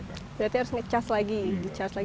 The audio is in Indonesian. berarti harus di charge lagi sama keluarga